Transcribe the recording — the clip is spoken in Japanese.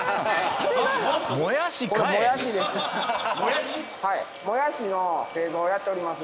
もやしの製造をやっております。